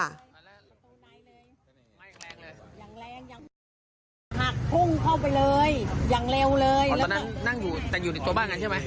หักพุ่งเข้าไปเลยอย่างเร็วเลยตอนนั้นนั่งอยู่แต่อยู่ในตัวบ้านกันใช่ไหม